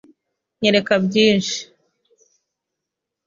Nyereka byinshi.